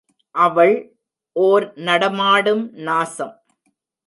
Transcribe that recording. அவள் ஓர் நடமாடும் நாசம்!